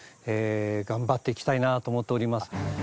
頑張っていきたいなと思っております。